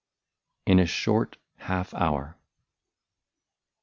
25 IN A SHORT HALF HOUR.